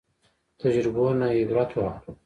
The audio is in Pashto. تجربو نه عبرت واخلو